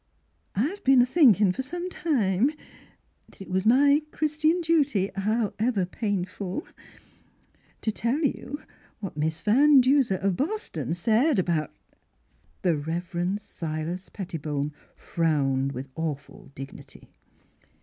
I've been a thinking for some time that it was my Christian duty (however painful) to tell you what Mis' Van Denser, of Boston, said about " 73 The Transfiguration of The Rev. Silas Pettibone frowned with awful dignity.